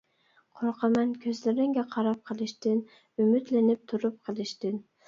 قورقىمەن كۆزلىرىڭگە قاراپ قېلىشتىن، ئۈمىدلىنىپ تۇرۇپ قېلىشتىن.